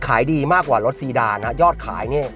ขายดีมากกว่ารถซีดานนะยอดขายเนี่ย